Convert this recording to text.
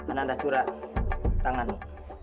ananda shura tanganmu